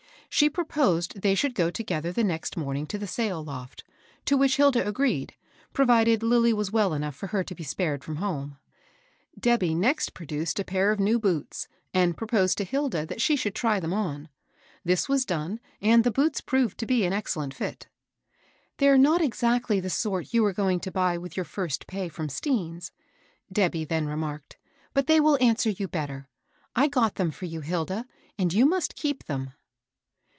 She pro posed they should go together the next morning to the sail loft ; to which Hilda agreed, provided Lilly were well enough for her to be spared from home. Debby next produced a pair of new boots, and proposed to Hilda that she should try them on. This was done, and the boots proved to be an excellent fit. " They^re not exactly the sort you were going to buy with your first pay from Stean's," Debby then remarked ;" but they will answer you better. I got them for you, Hilda, and you must keep them."